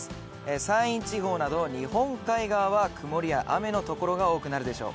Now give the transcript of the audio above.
山陰地方など日本海側は曇りや雨のところが多くなるでしょう。